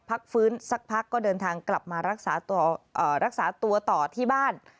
พักฟื้นสักพักก็เดินทางกลับมารักษาตัวรักษาตัวต่อที่บ้าน